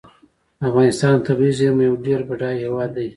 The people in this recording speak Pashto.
افغانستان د طبیعي زیرمو یو ډیر بډایه هیواد دی.